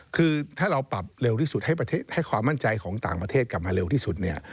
คือถ้าเราปรับเร็วที่สุดให้ความมั่นใจของต่างประเทศกลับมาเร็วที่สุดเนี่ย